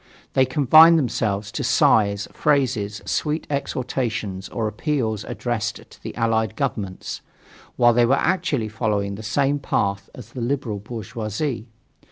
They confined themselves to sighs, phrases, secret exhortations or appeals addressed to the Allied Governments, while they were actually following the same path as the liberal bourgeoisie.